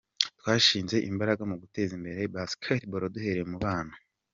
Twashyize imbaraga mu guteza imbere Basketball duhereye mu bana.